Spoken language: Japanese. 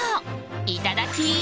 いただき！